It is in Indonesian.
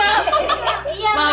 kiss dia mau